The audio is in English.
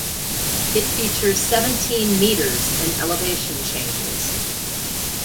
It features seventeen metres in elevation changes.